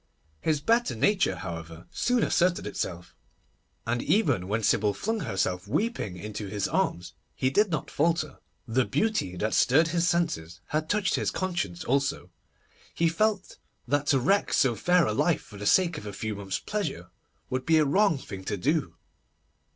His better nature, however, soon asserted itself, and even when Sybil flung herself weeping into his arms, he did not falter. The beauty that stirred his senses had touched his conscience also. He felt that to wreck so fair a life for the sake of a few months' pleasure would be a wrong thing to do.